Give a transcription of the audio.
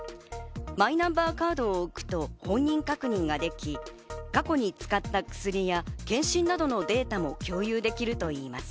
マイナンバーカードを置くと本人確認ができ、過去に使った薬や検診などのデータも共有できるといいます。